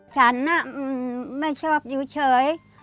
ฉันไม่ชอบอยู่เฉย